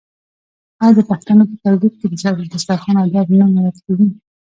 آیا د پښتنو په کلتور کې د دسترخان اداب نه مراعات کیږي؟